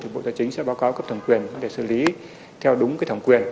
bộ tài chính sẽ báo cáo cấp thẩm quyền để xử lý theo đúng thẩm quyền